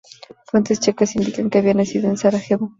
Fuentes checas indican que había nacido en Sarajevo.